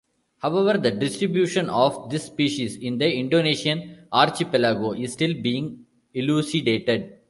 However, the distribution of this species in the Indonesian archipelago is still being elucidated.